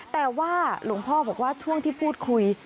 แต่ว่าหลวงพ่อบอกว่าช่วงที่พูดคุย